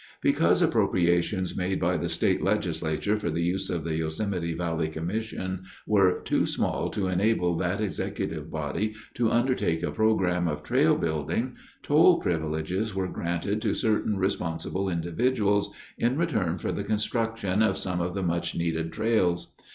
Because appropriations made by the state legislature for the use of the Yosemite Valley Commission were too small to enable that executive body to undertake a program of trail building, toll privileges were granted to certain responsible individuals in return for the construction of some of the much needed trails.